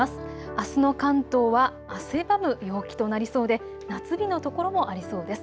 あすの関東は汗ばむ陽気となりそうで夏日の所もありそうです。